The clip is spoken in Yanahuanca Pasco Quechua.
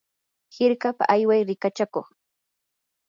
hirkapa ayway rikachakuq.